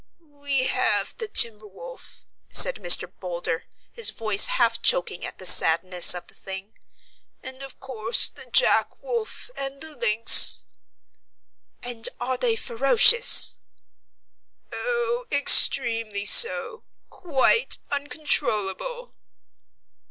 "We have the timber wolf," said Mr. Boulder, his voice half choking at the sadness of the thing, "and of course the jack wolf and the lynx." "And are they ferocious?" "Oh, extremely so quite uncontrollable."